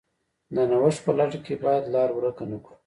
د نوښت په لټه کې باید لار ورکه نه کړو.